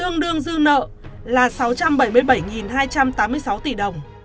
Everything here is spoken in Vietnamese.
nợ là sáu trăm bảy mươi bảy hai trăm tám mươi sáu tỷ đồng